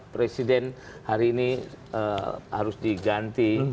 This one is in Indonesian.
presiden hari ini harus diganti